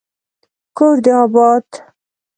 کور دي اباد